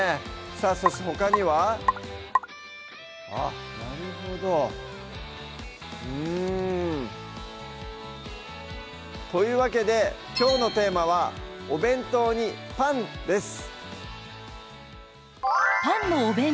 さぁそしてほかにはあっなるほどうんというわけできょうのテーマは「お弁当にパン」です